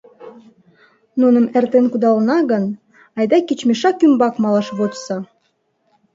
Нуным эртен кудалына гын, айда кеч мешак ӱмбак малаш вочса.